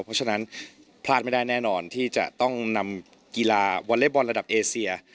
เพราะฉะนั้นพลาดไม่ได้แน่นอนที่จะต้องนำกีฬาวอเล็กบอลระดับเอเซีย